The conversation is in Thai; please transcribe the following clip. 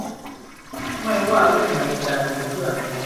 ไม่ว่าเรื่องนาฬิกายืมเพื่อน